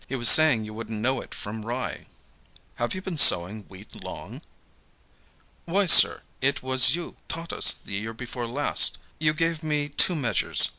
He was saying you wouldn't know it from rye." "Have you been sowing wheat long?" "Why, sir, it was you taught us the year before last. You gave me two measures.